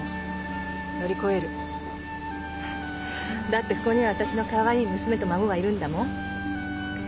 だってここには私のかわいい娘と孫がいるんだもん。